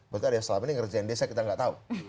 berarti ada yang selama ini ngerjain desa kita nggak tahu